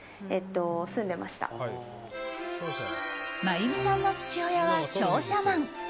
真弓さんの父親は商社マン。